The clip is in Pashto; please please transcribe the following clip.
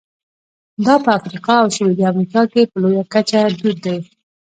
دا په افریقا او سوېلي امریکا کې په لویه کچه دود دي.